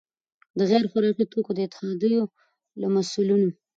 او غیر خوراکي توکو د اتحادیو له مسؤلینو،